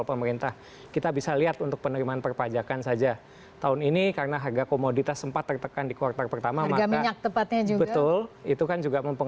pemerintahan joko widodo